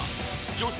［女性